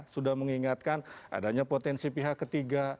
sudah mengingatkan adanya potensi pihak ketiga